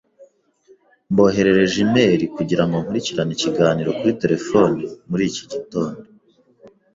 Mboherereje imeri kugirango nkurikirane ikiganiro kuri terefone muri iki gitondo.